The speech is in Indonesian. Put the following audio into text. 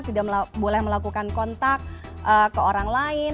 tidak boleh melakukan kontak ke orang lain